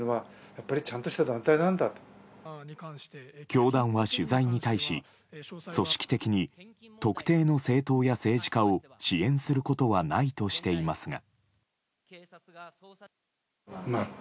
教団は取材に対し組織的に特定の政党や政治家を支援することはないとしていますが。